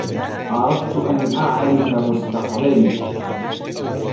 أردت أن أعرف مستقبلي.